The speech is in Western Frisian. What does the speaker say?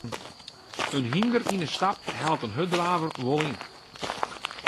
In hynder yn 'e stap hellet in hurddraver wol yn.